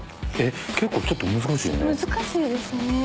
結構ちょっと難しいよね。